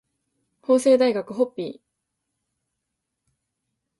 法政大学ホッピー